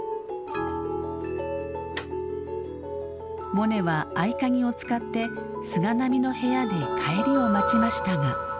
モネは合鍵を使って菅波の部屋で帰りを待ちましたが。